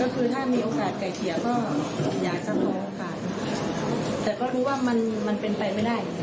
ก็คือถ้ามีโอกาสไกลเทียก็อย่าจำนวนโอกาสแต่ก็รู้ว่ามันเป็นไปไม่ได้